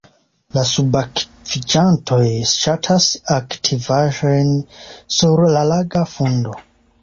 La subakviĝantoj ŝatas aktivaĵojn sur la laga fundo.